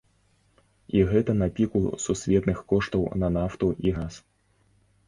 І гэта на піку сусветных коштаў на нафту і газ!